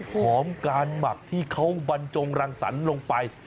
ของการหมักที่เขาบรรจงรังสรรค์ลงไป